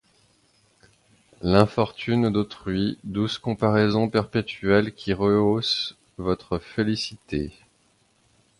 L’infortune d’autrui, douce comparaison perpétuelle qui rehausse votre félicité.